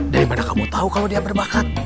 dari mana kamu tahu kalau dia berbakat